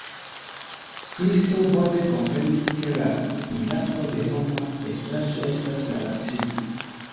Kristo bone komprenis, ke la miraklo de homa estaĵo estas la racio.